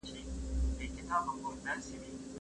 مشر وويل چي ورورولي ټولنه له بدبختيو ساتي.